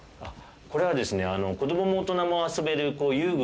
これはですね子どもも大人も遊べる。